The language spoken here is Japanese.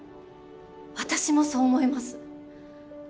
私もそう思います。